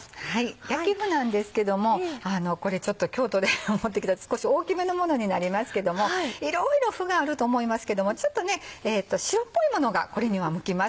焼き麩なんですけどもこれちょっと京都で持ってきた少し大きめのものになりますけどもいろいろ麩があると思いますけどもちょっと白っぽいものがこれには向きます。